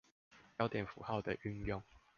標點符號的運用